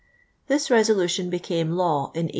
This resolution became kw in 1829.